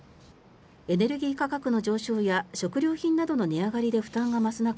エネルギー価格の上昇や食料品などの値上りで負担が増す中